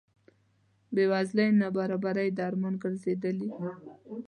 بې وزلۍ نابرابرۍ درمان ګرځېدلي.